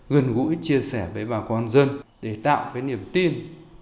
gần gũi chia sẻ với bà con dân để tạo cái niềm tin